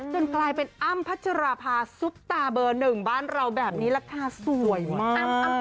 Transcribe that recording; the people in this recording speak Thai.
กลายเป็นอ้ำพัชราภาซุปตาเบอร์หนึ่งบ้านเราแบบนี้แหละค่ะสวยมาก